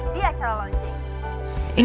di acara launching